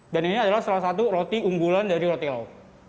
dan ini adalah salah satu roti unggulan dari roti lau